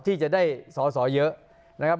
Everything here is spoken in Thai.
ที่จะได้สอสอเยอะนะครับ